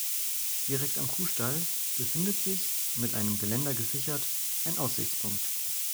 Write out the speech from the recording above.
Direkt am Kuhstall befindet sich, mit einem Geländer gesichert, ein Aussichtspunkt.